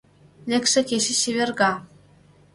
Лекше кече чеверга